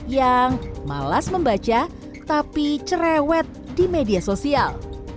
yang malas membaca tapi cerewet di media sosial